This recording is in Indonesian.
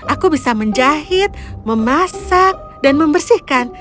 aku bisa menjahit memasak dan membersihkan